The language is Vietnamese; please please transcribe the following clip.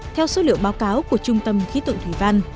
theo số liệu báo cáo của trung tâm khí tượng thủy văn